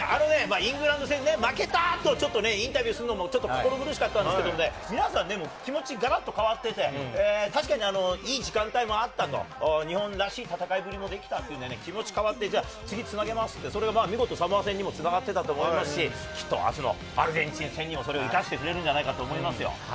イングランド戦、負けた後、ちょっとインタビューするのも心苦しかったんですけれど、皆さん気持ちガラッと変わっていて、確かにいい時間帯もあったと、日本らしい戦いぶりもできたというので気持ち変わって、次に繋げますって、それがサモア戦に繋がっていたと思いますし、あすのアルゼンチン戦にもそれを生かしてくれるんじゃないかと思います。